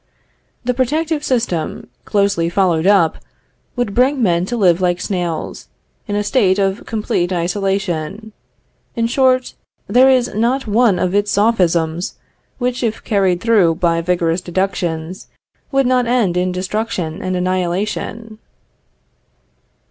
The protective system, closely followed up, would bring men to live like snails, in a state of complete isolation. In short, there is not one of its Sophisms, which if carried through by vigorous deductions, would not end in destruction and annihilation.